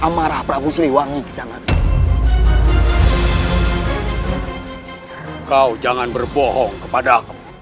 amarah prabu siliwangi jangan kau jangan berbohong kepada